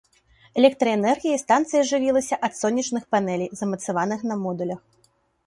Электраэнергіяй станцыя жывілася ад сонечных панэлей, замацаваных на модулях.